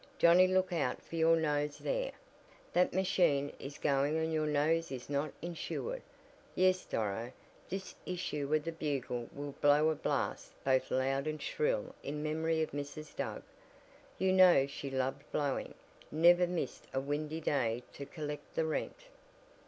Johnnie look out for your nose there. That machine is going and your nose is not insured. Yes, Doro, this issue of the Bugle will blow a blast both loud and shrill in memory of Mrs. Doug. You know she loved blowing, never missed a windy day to collect the rent."